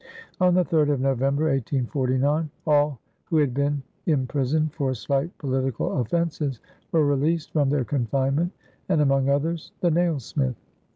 On the 3d of November, 1849, ^.H who had been im prisoned for slight political offenses were released from their confinement, and among others, the nailsmith.